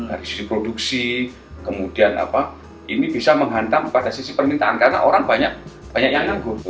dari sisi produksi kemudian apa ini bisa menghantam pada sisi permintaan karena orang banyak yang nganggur